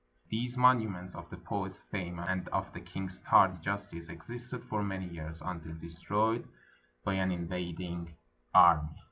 These monuments of the poet's fame and of the king's tardy justice existed for many years, until destroyed by an invading army.